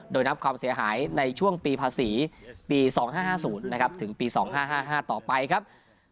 โดยนับความเสียหายในช่วงปีภาษีปี๒๕๕๐นะครับถึงปี๒๕๕๕ต่อไปครับ